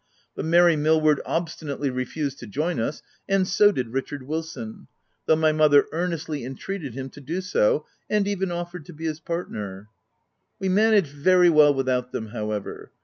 But Mary Millward obstinately refused to join us; and so did Richard Wilson, though my mother earnestly entreated him to do so, and even offered to be his partner. We managed very well without them, how ever.